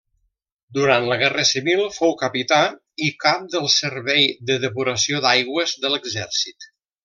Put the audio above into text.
Durant la Guerra Civil fou capità i cap del Servei de Depuració d'Aigües de l'exèrcit.